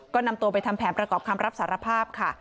ก็นำตัวไปทำแผนประกอบคำรับสารภาพค่ะ